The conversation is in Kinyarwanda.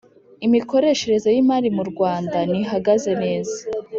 imikoreshereze y imali mu Rwanda ntihagaze neza